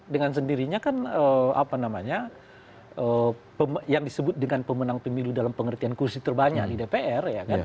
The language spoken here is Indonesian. dengan sendirinya kan apa namanya yang disebut dengan pemenang pemilu dalam pengertian kursi terbanyak di dpr